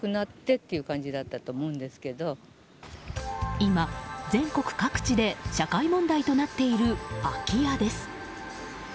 今、全国各地で社会問題となっている空き家です。